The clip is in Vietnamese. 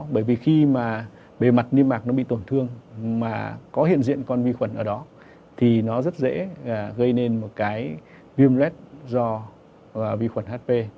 bởi vì khi mà bề mặt niêm mạc nó bị tổn thương mà có hiện diện con vi khuẩn ở đó thì nó rất dễ gây nên một cái viêm lết do vi khuẩn hp